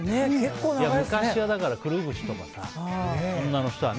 昔は、くるぶしとかさ女の人はね。